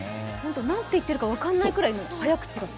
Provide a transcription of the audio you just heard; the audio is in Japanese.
何て言ってるか分からないぐらい早口で。